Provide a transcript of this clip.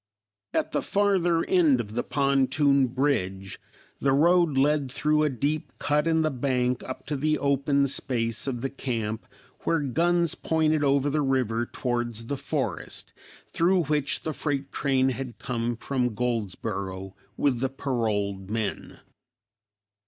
At the farther end of the pontoon bridge the road led through a deep cut in the bank up to the open space of the camp where guns pointed over the river towards the forest through which the freight train had come from Goldsboro with the paroled men.